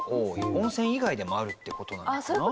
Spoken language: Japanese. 温泉以外でもあるって事なのかな？